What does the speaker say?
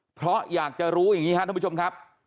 เพราะอยากจะรู้อย่างนี้ครับท่านผู้ชมครับ